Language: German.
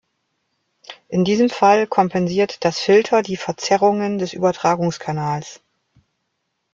In diesem Fall kompensiert das Filter die Verzerrungen des Übertragungskanals.